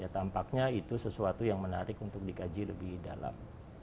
tampaknya itu sesuatu yang menarik untuk dikaji lebih dalam